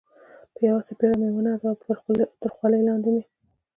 په یوه څپېړه مې و نازاوه، تر خولۍ لاندې مې.